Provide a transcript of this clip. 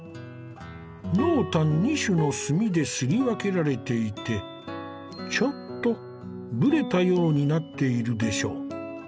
濃淡２種の墨で摺り分けられていてちょっとぶれたようになっているでしょ。